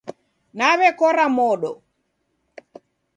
Naw'ekora modo